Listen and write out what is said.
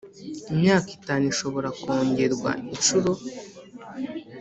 imyaka itanu ishobora kongerwa inshuro